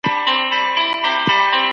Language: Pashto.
استاد وویل چي هره ستونزه حل لري.